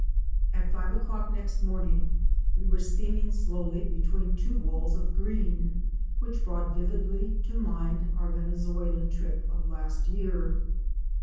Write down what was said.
At five o'clock next morning we were steaming slowly between two walls of green which brought vividly to mind our Venezuelan trip of last year.